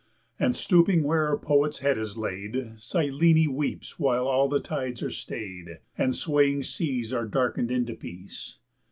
And stooping where her poet's head is laid, Selene weeps while all the tides are stayed And swaying seas are darkened into peace.